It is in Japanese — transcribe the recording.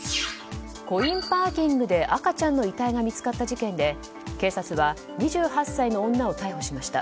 コインパーキングで赤ちゃんの遺体が見つかった事件で警察は２８歳の女を逮捕しました。